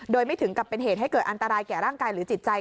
โดยไม่ถึงกับเป็นเหตุให้เกิดอันตรายแก่ร่างกายหรือจิตใจ